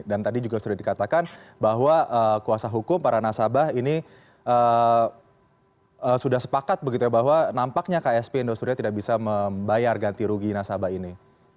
dan tadi juga sudah dikatakan bahwa kuasa hukum para nasabah ini sudah sepakat bahwa nampaknya ksp indosuria tidak bisa membayar ganti rugi nasabah ini